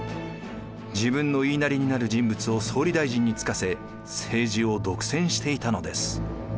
自分の言いなりになる人物を総理大臣に就かせ政治を独占していたのです。